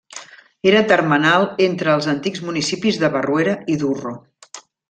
Era termenal entre els antics municipis de Barruera i Durro.